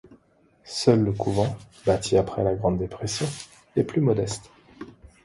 Seul le couvent, bâti après la Grande Dépression, est plus modeste.